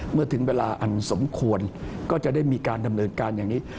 เมื่อถึงเวลาอันสมควรก็จะได้มีการดำเนินการอย่างนี้